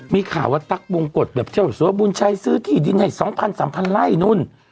มีข่าวว่าตั๊กบวงกฎแบบเที่ยวสวบุญชัยซื้อที่ดินให้สองพันสามพันไร้นุ้น